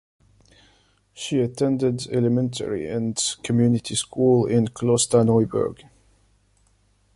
She attended elementary and community school in Klosterneuburg.